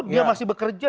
dia masih bekerja